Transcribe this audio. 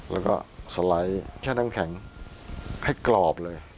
แล้วก็สไลด์แช่น้ำแข็งให้กรอบเลย